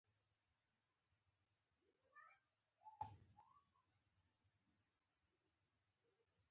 افغانستان کې هوا د خلکو د خوښې وړ ځای دی.